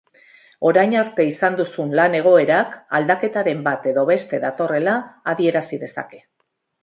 Orain arte izan duzun lan-egoerak aldaketaren bat edo beste datorrela adierazi dezake.